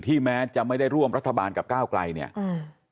แม้จะไม่ได้ร่วมรัฐบาลกับก้าวไกลเนี่ยอืม